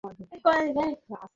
ওহ shit - সে ISIS মানব বোমা।